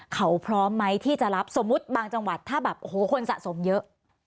เขาพร้อมไหมที่จะรับสมมุติบางจังหวัดถ้าแบบโอ้โหคนสะสมเยอะ